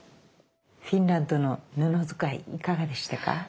フィンランドの布使いいかがでしたか？